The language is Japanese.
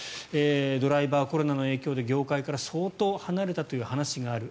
ドライバー、コロナの影響で業界から相当離れたという話がある。